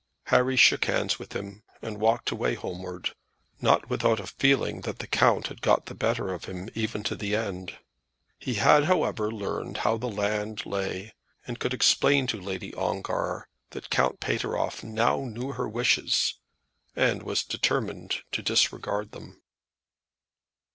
Harry shook hands with him and walked away homewards, not without a feeling that the count had got the better of him, even to the end. He had, however, learned how the land lay, and could explain to Lady Ongar that Count Pateroff now knew her wishes and was determined to disregard them.